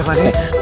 lu baik gua